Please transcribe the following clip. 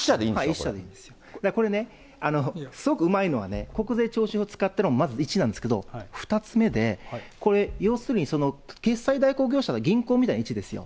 １社でいいんです、すごくうまいのは、国税徴収法使ったのはまず１なんですけれども、２つ目でこれ、要するに決済代行業者は銀行みたいな位置ですよ。